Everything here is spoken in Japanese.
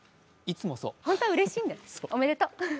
本当はうれしいんだね、おめでとう。